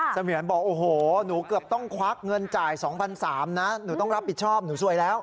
เสมียนบอกโอ้โหหนูเกือบต้องควักเงินจ่าย๒๓๐๐บาทนะหนูต้องรับผิดชอบหนูสวยแล้ว